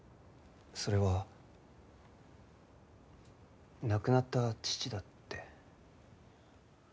それは亡くなった父だって。